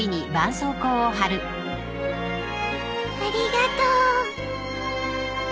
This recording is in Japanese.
ありがとう。